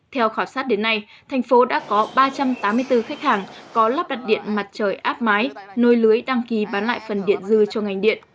theo khảo sát đến nay thành phố đã có ba trăm tám mươi bốn khách hàng có lắp đặt điện mặt trời áp mái nối lưới đăng ký bán lại phần điện dư cho ngành điện